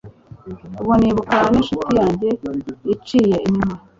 ubwo nibuka n'inshuti yanjye inciye inyuma